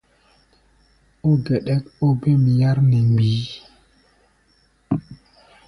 Ó geɗɛ́k óbêm yár nɛ mgbií.